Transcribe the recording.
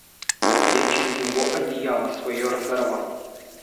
Я через него одеяло свое разорвал.